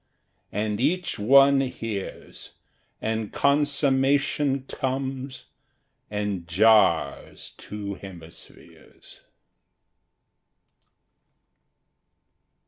And each one hears, And consummation comes, and jars two hemispheres.